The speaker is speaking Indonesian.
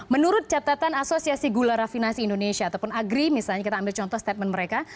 menurut catatan asosiasi gula rafinasi indonesia ataupun agri misalnya kita ambil contoh statement mereka